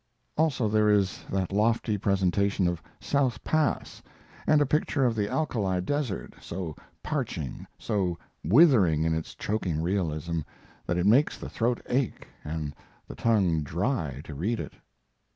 Also, there is that lofty presentation of South Pass, and a picture of the alkali desert, so parching, so withering in its choking realism, that it makes the throat ache and the tongue dry to read it.